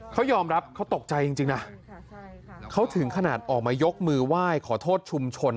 เขายอมรับเขาตกใจจริงนะเขาถึงขนาดออกมายกมือไหว้ขอโทษชุมชน